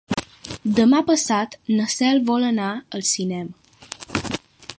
Demà passat na Cel vol anar al cinema.